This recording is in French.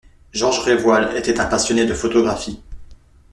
Georges Révoil était un passionné de photographie.